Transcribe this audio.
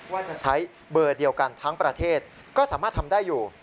ว่าจะใช้เบอร์เดียวกันทั้งประเทศก็สามารถทำได้อยู่